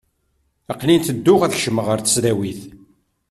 Aqel-in ttedduɣ ad kecmeɣ ɣer tesdawit.